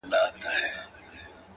گوره ځوانـيمـرگ څه ښـه وايــي-